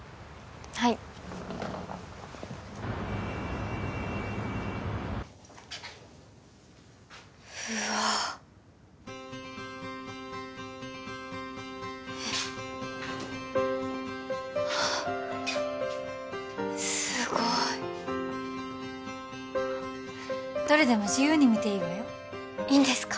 はいうわあえっあっすごいどれでも自由に見ていいわよいいんですか？